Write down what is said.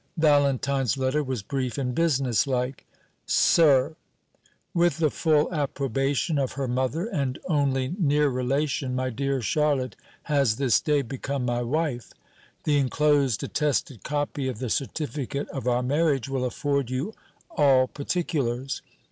Valentine's letter was brief and business like. "SIR, With the full approbation of her mother and only near relation, my dear Charlotte has this day become my wife. The enclosed attested copy of the certificate of our marriage will afford you all particulars.